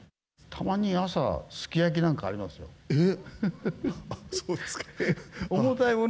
たまに朝、すき焼きなんかありまえっ、そうですか。